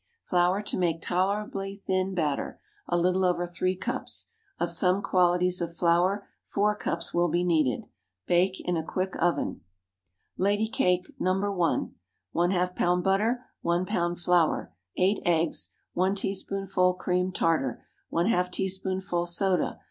Flour to make tolerably thin batter (a little over three cups). Of some qualities of flour four cups will be needed. Bake in a quick oven. LADY CAKE (No. 1.) ½ lb. butter. 1 lb. flour. 8 eggs. 1 teaspoonful cream tartar, ½ teaspoonful soda.